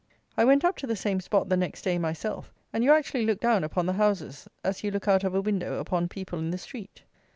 I went up to the same spot, the next day, myself; and you actually look down upon the houses, as you look out of a window upon people in the street.